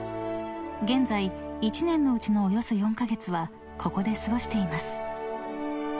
［現在一年のうちのおよそ４カ月はここで過ごしています］